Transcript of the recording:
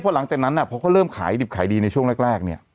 เพราะหลังจากนั้นน่ะเขาก็เริ่มขายดิบขายดีในช่วงแรกแรกเนี้ย